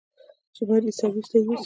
چې مريض سرويس ته يوسي.